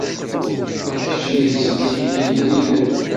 D kečč i yettselliken igelliden.